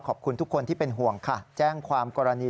ขอบคุณทุกคนที่เป็นห่วงค่ะแจ้งความกรณี